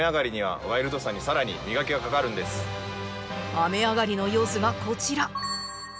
雨上がりの様子がこちら。